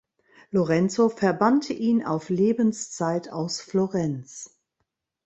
Lorenzo verbannte ihn auf Lebenszeit aus Florenz.